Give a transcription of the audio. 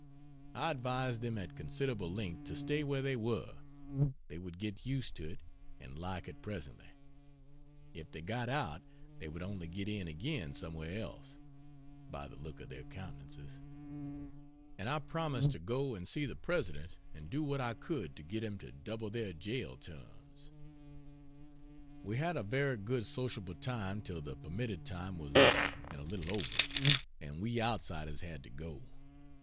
I advised them at considerable length to stay where they were they would get used to it and like it presently; if they got out they would only get in again somewhere else, by the look of their countenances; and I promised to go and see the President and do what I could to get him to double their jail terms. We had a very good sociable time till the permitted time was up and a little over, and we outsiders had to go.